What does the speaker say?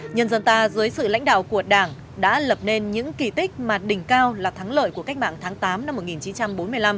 nhân dân ta dưới sự lãnh đạo của đảng đã lập nên những kỳ tích mà đỉnh cao là thắng lợi của cách mạng tháng tám năm một nghìn chín trăm bốn mươi năm